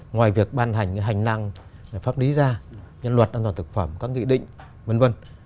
ngoài việc ban hành hành năng pháp lý gia luật an toàn thực phẩm các nghị định v v